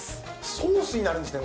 ソースになるんですね